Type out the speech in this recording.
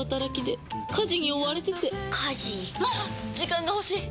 時間が欲しい！